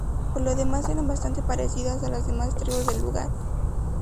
Por lo demás eran bastante parecidas a las demás tribus del lugar.